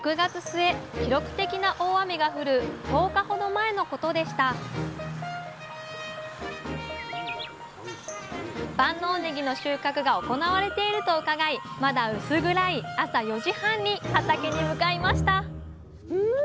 記録的な大雨が降る１０日ほど前のことでした万能ねぎの収穫が行われていると伺いまだ薄暗い朝４時半に畑に向かいましたん！